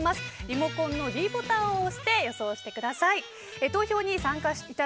リモコンのｄボタンを押して予想してください。